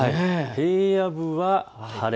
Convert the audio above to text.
平野部は晴れ。